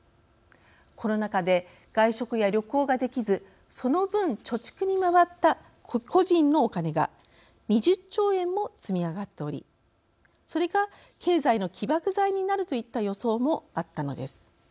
コロナ禍で外食や旅行ができずその分貯蓄に回った個人のお金が２０兆円も積み上がっておりそれが経済の起爆剤になるといった予想もあったのです。